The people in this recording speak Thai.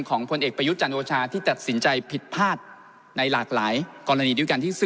พลเอกประยุทธ์จันโอชาที่ตัดสินใจผิดพลาดในหลากหลายกรณีด้วยกันที่๔